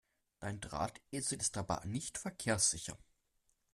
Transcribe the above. Dein Drahtesel ist aber nicht verkehrssicher!